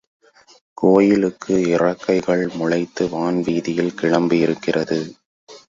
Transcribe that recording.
கோயிலுக்கு இறக்கைகள் முளைத்து வான் வீதியில் கிளம்பியிருக்கிறது.